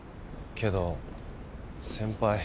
けど先輩。